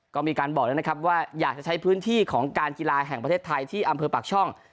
ก็มีการบอกแล้วนะครับว่าอยากจะใช้พื้นที่ของการกีฬาแห่งประเทศไทยที่อำเภอปากช่อง